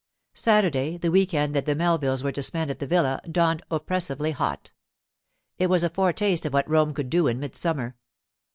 Saturday—the week end that the Melvilles were to spend at the villa—dawned oppressively hot. It was a foretaste of what Rome could do in midsummer.